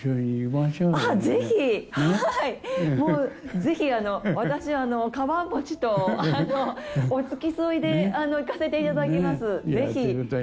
ぜひ、私鞄持ちと、付き添いで行かせていただきます！